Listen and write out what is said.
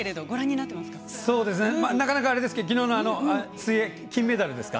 なかなかですけどきのうの水泳、金メダルですか。